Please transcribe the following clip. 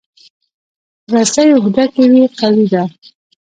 رسۍ اوږده که وي، قوي ده.